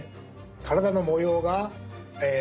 体の模様が雲。